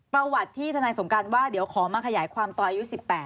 ประวัติที่ทนายสงการว่าเดี๋ยวขอมาขยายความตอนอายุ๑๘